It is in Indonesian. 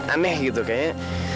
aneh gitu kayaknya